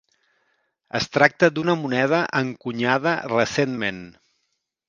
Es tracta d'una moneda encunyada recentment.